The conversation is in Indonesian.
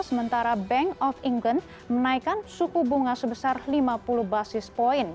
sementara bank of england menaikkan suku bunga sebesar lima puluh basis point